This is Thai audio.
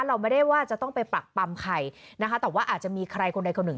เราไม่ได้ว่าจะต้องไปปรักปำใครนะคะแต่ว่าอาจจะมีใครคนใดคนหนึ่ง